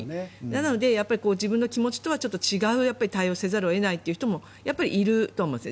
なので、自分の気持ちとは違う対応をせざるを得ない人もいると思うんです。